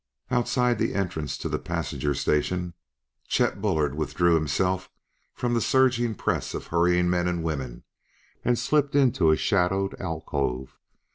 Outside the entrance to the Passenger Station, Chet Bullard withdrew himself from the surging press of hurrying men and women and slipped into a shadowed alcove.